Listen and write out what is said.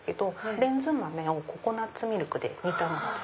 レンズ豆をココナツミルクで煮たものです。